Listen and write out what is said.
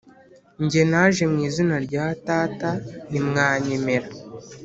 “Jye naje mu izina rya Data ntimwanyemera